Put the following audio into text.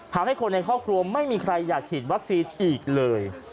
ทำให้คนในครอบครัวไม่มีใครอยากฉีดวัคซีนอีกเลย